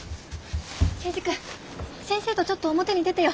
征二君先生とちょっと表に出てようね。